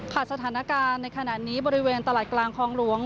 สถานการณ์ในขณะนี้บริเวณตลาดกลางคลองหลวง